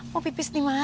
mau pipis dimana